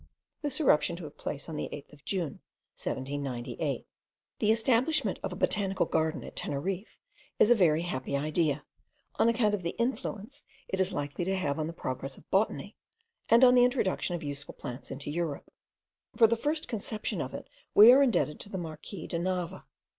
This eruption took place on the 8th of June, 1798. The establishment of a botanical garden at Teneriffe is a very happy idea, on account of the influence it is likely to have on the progress of botany, and on the introduction of useful plants into Europe. For the first conception of it we are indebted to the Marquis de Nava.